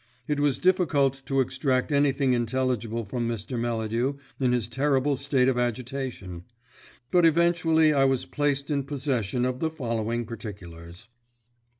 It was difficult to extract anything intelligible from Mr. Melladew in his terrible state of agitation; but eventually I was placed in possession of the following particulars.